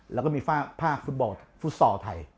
แล้วก็มีภาคฟุตบอลฟุตซอลไทย